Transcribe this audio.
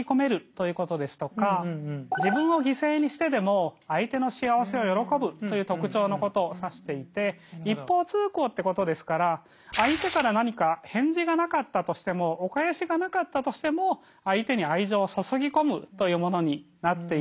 アガペーというものはどういうものかと申しますとという特徴のことを指していて一方通行ってことですから相手から何か返事がなかったとしてもお返しがなかったとしても相手に愛情を注ぎ込むというものになっています。